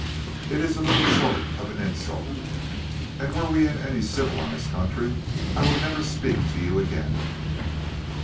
It is little short of an insult, and were we in any civilised country I would never speak to you again."